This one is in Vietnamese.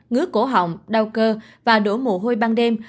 ngứa cổ hỏng đau cơ và đổ mù hôi ban đêm